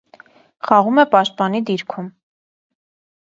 Խաղում է պաշտպանի դիրքում։